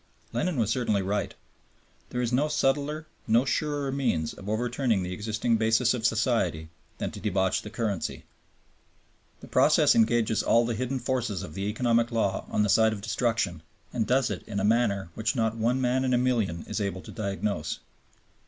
Lenin was certainly right. There is no subtler, no surer means of overturning the existing basis of society than to debauch the currency. The process engages all the hidden forces of economic law on the side of destruction, and does it in a manner which not one man in a million is able to diagnose.